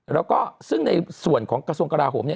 แล้วก็ซึ่งในส่วนของกระทรวงกราโหมเนี่ย